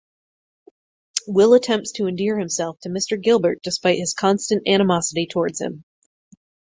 Will attempts to endear himself to Mr Gilbert despite his constant animosity towards him.